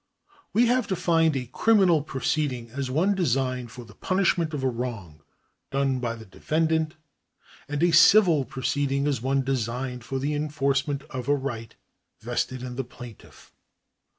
We have defined a criminal proceeding as one designed for the punishment of a wrong done by the defendant, and a civil proceeding as one designed for the enforcement of a right vested in the plaintiff.